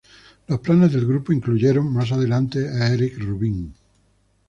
Los planes del grupo, incluyeron más adelante a Erik Rubín.